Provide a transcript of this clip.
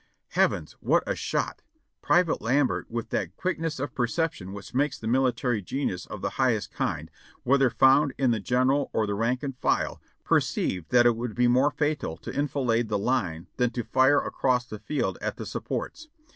"Heavens, what a shot! Private Lambert, with that quick ness of perception which makes military genius of the highest kind, whether found in the general or the rank and flle, per ceived that it would be more fatal to enfilade the line than to fire across the field at the supports.